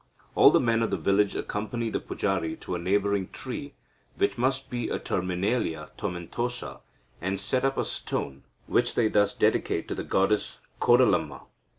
All the men of the village accompany the pujari to a neighbouring tree, which must be a Terminalia tomentosa, and set up a stone, which they thus dedicate to the goddess Kodalamma.